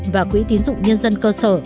và quỹ tiến dụng nhân dân cơ sở